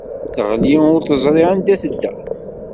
Teɣli ur teẓri anda i tedda.